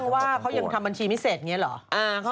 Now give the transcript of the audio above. ว่าเขายังทำบัญชีไม่เสร็จอย่างนี้เหรอ